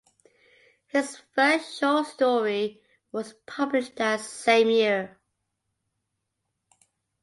His first short story was published that same year.